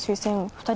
２人？